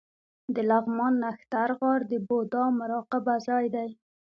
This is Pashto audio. د لغمان نښتر غار د بودا مراقبه ځای دی